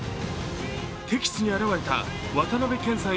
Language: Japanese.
敵地に現れた渡辺謙さん